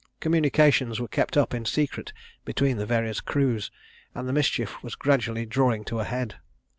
Communications were kept up in secret between the various crews, and the mischief was gradually drawing to a head.